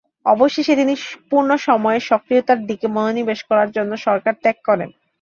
অবশেষে তিনি পূর্ণ-সময়ের সক্রিয়তার দিকে মনোনিবেশ করার জন্য সরকার ত্যাগ করেন।